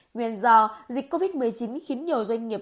nguyên do dịch covid một mươi chín khiến nhiều doanh nghiệp